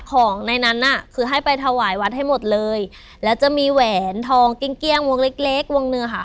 ของในนั้นน่ะคือให้ไปถวายวัดให้หมดเลยแล้วจะมีแหวนทองเกลี้ยงวงเล็กเล็กวงหนึ่งค่ะ